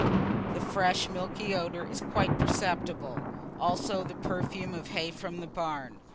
The fresh milky odor is quite perceptible, also the perfume of hay from the barn.